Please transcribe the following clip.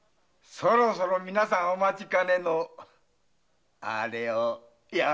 そろそろ皆さんお待ちかねのあれをやろうかな。